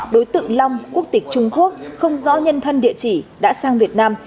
đối tượng long quốc tịch trung quốc không rõ nhân thân địa chỉ đã sang việt nam